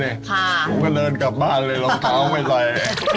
ผมก็เดินกลับบ้านเลยรองเท้าไม่ไหล